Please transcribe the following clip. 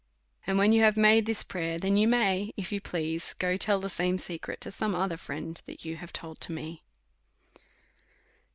And when you have made this prayer, then you may, if you please, go tell the same secret to some other friend, that you have told to me.